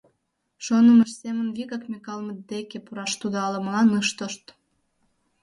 Шонымыж семын вигак Микалмыт деке пураш тудо ала-молан ыш тошт.